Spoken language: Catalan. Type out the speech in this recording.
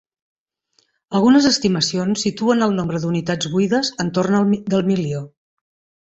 Algunes estimacions situen el nombre d'unitats buides entorn del milió.